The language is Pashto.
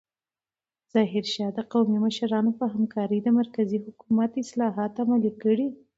ظاهرشاه د قومي مشرانو په همکارۍ د مرکزي حکومت اصلاحات عملي کړل.